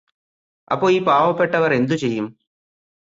അപ്പോ ഈ പാവപ്പെട്ടവർ എന്തു ചെയ്യും?